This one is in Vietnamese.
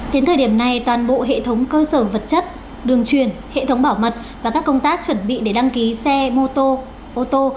đến thời điểm này toàn bộ hệ thống cơ sở vật chất đường truyền hệ thống bảo mật và các công tác chuẩn bị để đăng ký xe mô tô ô tô